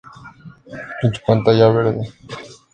Actualmente no hay reediciones, y la obra está agotada.